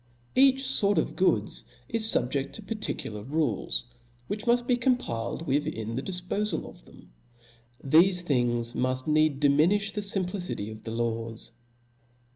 Each fort of goods is fubjeft to particu lar rules, which muft be complied with in the dif* pofal of them. Thefe things muft needs diminilh the fimplicity of the laws.